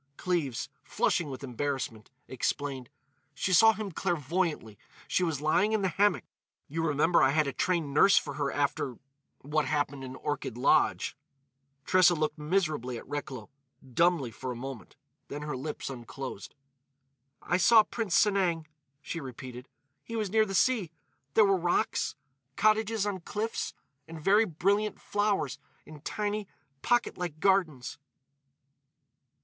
Cleves, flushing with embarrassment, explained: "She saw him clairvoyantly. She was lying in the hammock. You remember I had a trained nurse for her after—what happened in Orchid Lodge." Tressa looked miserably at Recklow,—dumbly, for a moment. Then her lips unclosed. "I saw Prince Sanang," she repeated. "He was near the sea. There were rocks—cottages on cliffs—and very brilliant flowers in tiny, pocket like gardens.